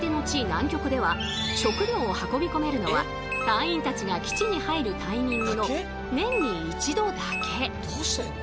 南極では食料を運びこめるのは隊員たちが基地に入るタイミングの年に一度だけ。